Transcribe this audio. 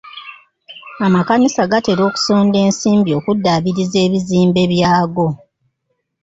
Amakanisa gatera okusonda ensimbi okuddabiriza ebizimbe byago.